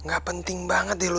gapenting banget deh lo